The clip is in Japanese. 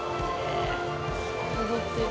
踊ってる。